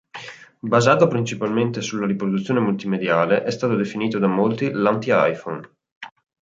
Basato principalmente sulla riproduzione multimediale, è stato definito da molti l'anti-iPhone.